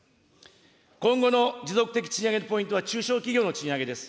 今後の持続的賃上げのポイントは中小企業の賃上げです。